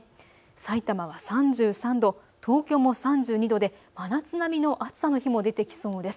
さいたまは３３度、東京も３２度で真夏並みの暑さの日も出てきそうです。